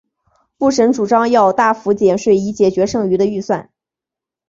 布什主张要大幅减税以解决剩余的预算。